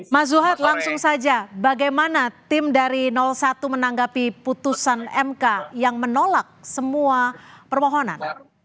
mas zuhad langsung saja bagaimana tim dari satu menanggapi putusan mk yang menolak semua permohonan